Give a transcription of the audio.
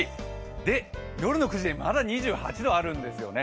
夜の９時でまだ２８度あるんですよね。